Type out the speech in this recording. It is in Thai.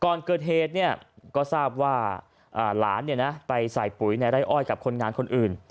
ก่อนเกิดเหตุก็ทราบว่าหลานไปใส่ปุ๋ยในไร่อ้อยกับคนงานคนอื่น